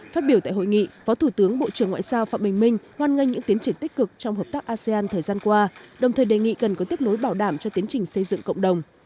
phát biểu tại hội nghị phó thủ tướng bộ trưởng ngoại giao phạm bình minh hoan nghênh những tiến triển tích cực trong hợp tác asean thời gian qua đồng thời đề nghị cần có tiếp nối bảo đảm cho tiến trình xây dựng cộng đồng